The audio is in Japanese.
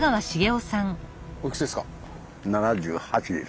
おいくつですか？